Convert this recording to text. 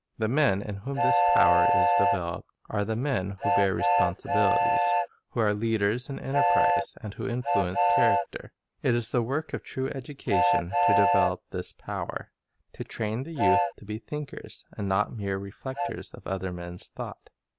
The men in whom this power is developed are the men who bear responsibilities, who are leaders in enterprise, and who influence character. It is the work of true education to develop this power; to train the youth to be think ers, and not mere reflectors of other men's thought.